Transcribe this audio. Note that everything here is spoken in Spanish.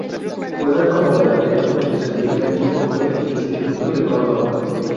Juega como delantero y su primer equipo fue Instituto de Córdoba.